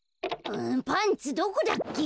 パンツどこだっけ？